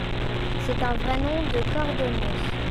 C’est un vrai nom de cordonnier !